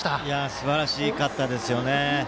すばらしかったですよね。